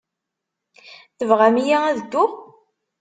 Tebɣam-iyi ad dduɣ?